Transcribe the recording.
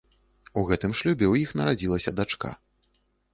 У гэтым шлюбе ў іх нарадзілася дачка.